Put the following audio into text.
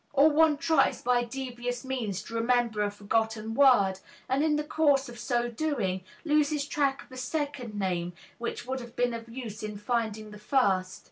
Or one tries by devious means to remember a forgotten word, and in the course of so doing loses track of a second name which would have been of use in finding the first.